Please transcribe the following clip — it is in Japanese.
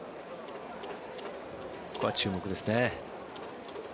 ここは注目ですね。